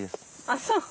あっそう。